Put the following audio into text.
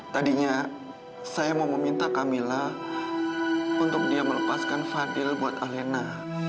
tadinya saya mau meminta camilla untuk dia melepaskan fadil buat alena